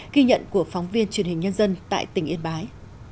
ghi nhận của phóng viên truyền hình nhân dân tại tỉnh yên bái